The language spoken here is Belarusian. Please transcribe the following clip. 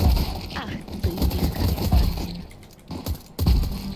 Ах ты, ліхая гадзіна!